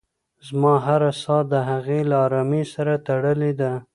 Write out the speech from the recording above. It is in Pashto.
زما هره ساه د هغې له ارامۍ سره تړلې ده.